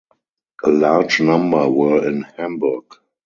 A large number were in Hamburg.